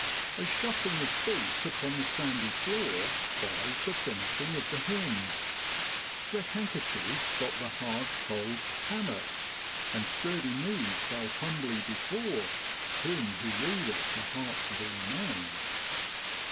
A shuffling of feet upon the sandy floor follows the finishing of the hymn. Ked handkerchiefs dot the hard cold ' pam JULY IN BROADLAND. 73 ments,' and sturdy knees bow humbly before Him who readeth the hearts of all men.